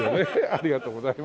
ありがとうございます。